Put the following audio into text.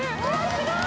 すごい！